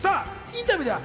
インタビューでは。